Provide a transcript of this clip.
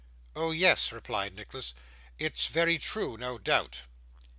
'Oh yes,' replied Nicholas: 'it's very true, no doubt.